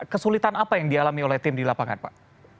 kesulitan apa yang dialami oleh tim di lapangan pak